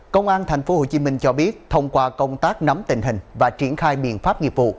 công an tp hcm cho biết thông qua công tác nắm tình hình và triển khai biện pháp nghiệp vụ